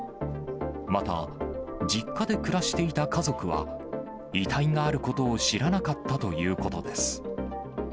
また、実家で暮らしていた家族は、遺体があることを知らなかったということです。